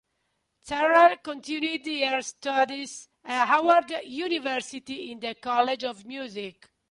Terrell continued her studies at Howard University in the College of Music.